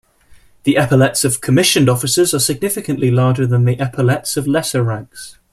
The epaulettes of commissioned officers are significantly larger than the epaulettes of lesser ranks.